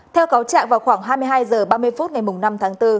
theo cáo trạng vào khoảng hai mươi hai h ba mươi phút ngày năm tháng bốn